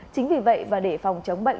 chính vì vậy và để phòng chống bệnh